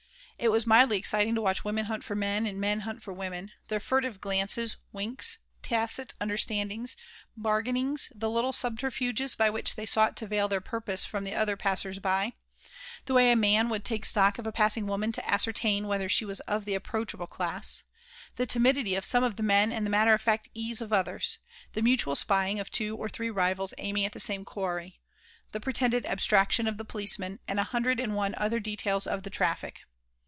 It was mildly exciting to watch women hunt for men and men hunt for women: their furtive glances, winks, tacit understandings, bargainings, the little subterfuges by which they sought to veil their purpose from the other passers by; the way a man would take stock of a passing woman to ascertain whether she was of the approachable class; the timidity of some of the men and the matter of fact ease of others; the mutual spying of two or three rivals aiming at the same quarry; the pretended abstraction of the policemen, and a hundred and one other details of the traffic.